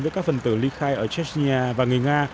với các phần tử ly khai ở chenia và người nga